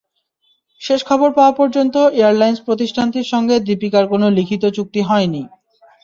শেষ খবর পাওয়া পর্যন্ত এয়ারলাইনস প্রতিষ্ঠানটির সঙ্গে দীপিকার কোনো লিখিত চুক্তি হয়নি।